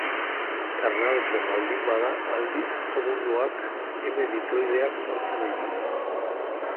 Ernaltzen baldin bada, aldiz, obuluak eme diploideak sortzen ditu.